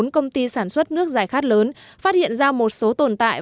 bốn công ty sản xuất nước giải khát lớn phát hiện ra một số tồn tại